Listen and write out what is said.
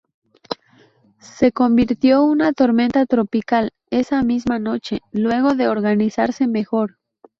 Se convirtió una tormenta tropical esa misma noche, luego de organizarse mejor.